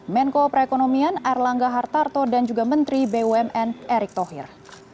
menko perekonomian erlangga hartarto dan juga menteri bumn erick thohir